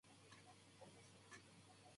どうしましたか？